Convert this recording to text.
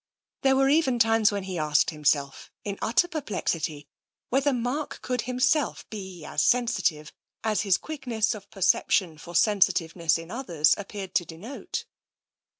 There were even times when he asked himself, in utter per plexity, whether Mark could himself be as sensitive as his quickness of perception for sensitiveness in others appeared to denote.